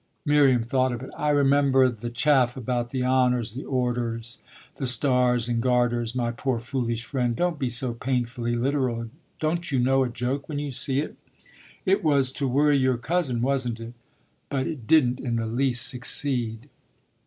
Miriam thought of it. "I remember the chaff about the honours, the orders, the stars and garters. My poor foolish friend, don't be so painfully literal. Don't you know a joke when you see it? It was to worry your cousin, wasn't it? But it didn't in the least succeed."